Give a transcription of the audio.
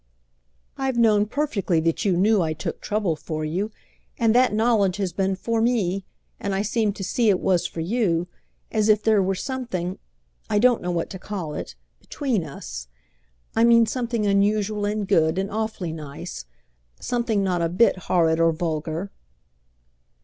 I've known perfectly that you knew I took trouble for you; and that knowledge has been for me, and I seemed to see it was for you, as if there were something—I don't know what to call it!—between us. I mean something unusual and good and awfully nice—something not a bit horrid or vulgar."